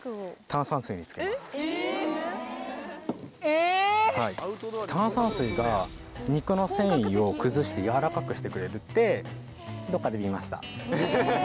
炭酸水が肉の繊維を崩して柔らかくしてくれるってどっかで見ました。